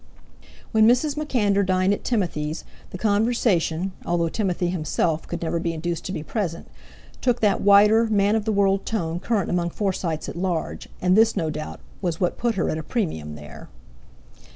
When Mrs. MacAnder dined at Timothy's, the conversation (although Timothy himself could never be induced to be present) took that wider, man of the world tone current among Forsytes at large, and this, no doubt, was what put her at a premium there.